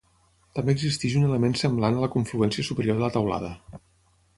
També existeix un element semblant a la confluència superior de la teulada.